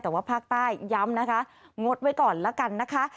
แต่ว่าภาคใต้ย้ำนะคะงดไว้ก่อนแล้วกันนะคะ